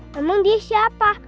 namun dia siapa